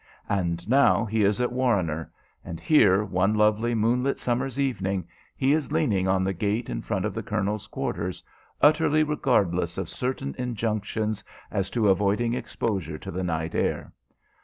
And now he is at Warrener; and here, one lovely moonlit summer's evening, he is leaning on the gate in front of the colonel's quarters, utterly regardless of certain injunctions as to avoiding exposure to the night air.